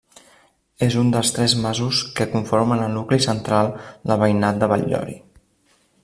És un dels tres masos que conformen el nucli central del veïnat de Batllori.